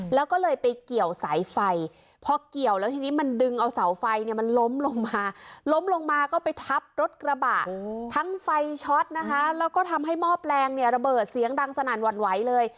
แล้วก็เลยไปเกี่ยวสายไฟพอเกี่ยวแล้วทีนี้มันดึงเอาเสาไฟเนี่ยมันล้มลงมาล้มลงมาก็ไปทับรถกระบะทั้งไฟช็อตนะคะแล้วก็ทำให้หม้อแปลงเนี่ยระเบิดเสียงดังสนั่นหวั่นไหวเลย